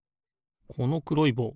このくろいぼう